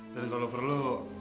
dan kalau perlu